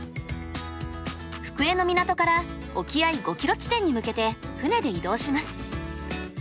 福江の港から沖合５キロ地点に向けて船で移動します。